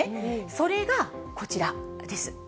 それがこちらです。